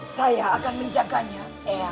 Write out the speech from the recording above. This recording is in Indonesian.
saya akan menjaganya ayah